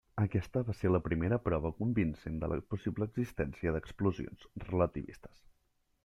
Aquesta va ser la primera prova convincent de la possible existència d'explosions relativistes.